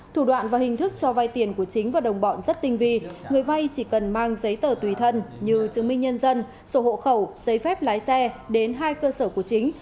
thủ đoạn và hình thức cho vai tiền của chính và đồng bọn rất tinh vi người vay chỉ cần mang giấy tờ tùy thân như chứng minh nhân dân sổ hộ khẩu giấy phép lái xe đến hai cơ sở của chính